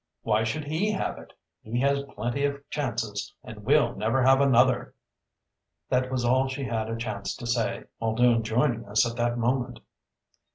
Why should he have it? He has plenty of chances, and we'll never have another." That was all she had a chance to say, Muldoon joining us at that moment.